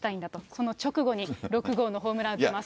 その直後に６号のホームランを打ってます。